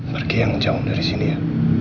pergi yang jauh dari sini ya